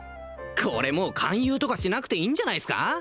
これもう勧誘とかしなくていいんじゃないっすか？